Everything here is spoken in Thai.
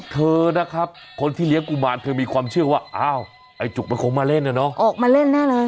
เธอนะครับคนที่เลี้ยงกุมานเธอมีความเชื่อว่าอ้าวไอ้จุกมันคงมาเล่นน่ะเนาะ